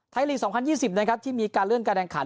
ลีก๒๐๒๐นะครับที่มีการเลื่อนการแข่งขัน